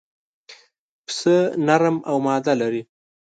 پسه نر او ماده لري.